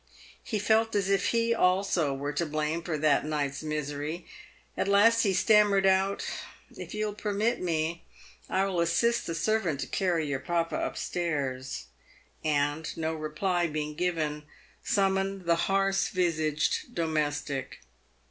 He felt as if he, also, were to blame for that night's misery. At last he stam mered out, " If you will permit me I will assist the servant to carry your papa up stairs," and, no reply being given, summoned the harsh visaged domestic.